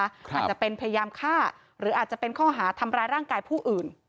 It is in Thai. อาจจะเป็นพยายามฆ่าหรืออาจจะเป็นข้อหาทำร้ายร่างกายผู้อื่น